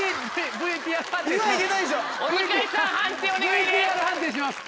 ＶＴＲ判定します。